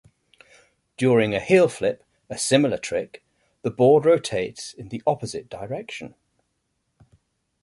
During a heelflip, a similar trick, the board rotates in the opposite direction.